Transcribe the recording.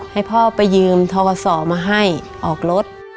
ให้พ่อไปยืมทกศมาให้ออกรถ